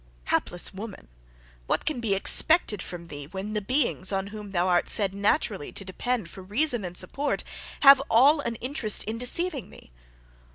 Hapless woman! what can be expected from thee, when the beings on whom thou art said naturally to depend for reason and support, have all an interest in deceiving thee!